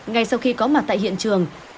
ngay sau khi có mặt tại hiện trường